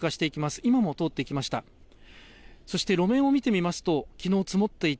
今も通っていきました。